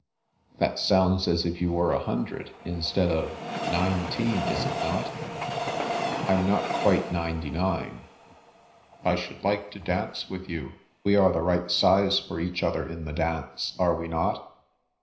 " That sounds as if you were a hundred, instead of — ^nineteen, is it not ?"" I'm not quite ninety nine." " I should like to dance with you. We are the right size for each other in the dance, are we not